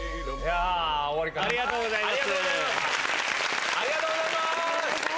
ありがとうございます。